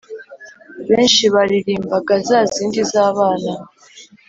benshi baririmbaga za zindi z’abana